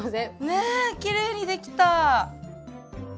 ねっきれいにできた。